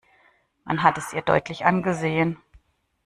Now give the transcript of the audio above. Man hat es ihr deutlich angesehen.